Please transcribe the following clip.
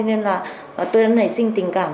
nên là tôi đang nảy sinh tình cảm